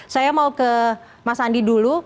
saya mau ke mas andi dulu